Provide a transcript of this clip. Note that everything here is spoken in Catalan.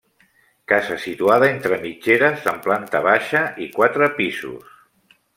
Casa situada entre mitgeres, amb planta baixa i quatre pisos.